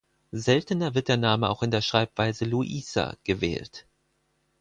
Seltener wird der Name auch in der Schreibweise Louisa gewählt.